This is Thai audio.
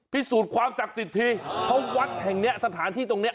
พิสูจน์ความศักดิ์สิทธิ์ทีเพราะวัดแห่งเนี้ยสถานที่ตรงเนี้ย